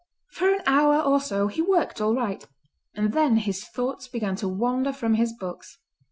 For an hour or so he worked all right, and then his thoughts began to wander from his books.